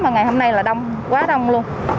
mà ngày hôm nay là đông quá đông luôn